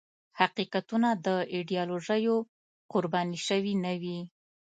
حقیقتونه د ایدیالوژیو قرباني شوي نه وي.